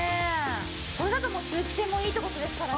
これだともう通気性もいいって事ですからね。